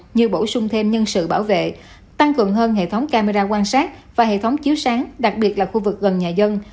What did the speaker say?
như bổ sung thêm nhân sự bảo vệ tăng cường hơn hệ thống camera quan sát và hệ thống chiếu sáng đặc biệt là khu vực gần nhà dân